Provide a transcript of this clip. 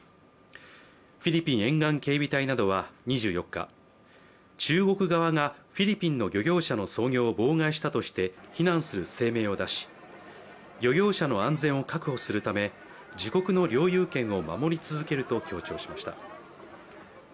フィリピン沿岸警備隊などは２４日、中国側がフィリピンの漁業者の操業を妨害したとして非難する声明を出し漁業者の安全を確保するため自国の領有権を守り続けると強調しました。